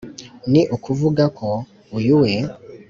ni ukuvuga ko uyu we